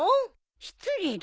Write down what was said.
失礼だね。